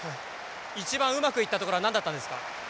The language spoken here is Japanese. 一番うまくいったところは何だったんですか？